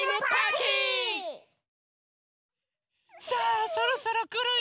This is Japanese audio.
さあそろそろくるよ！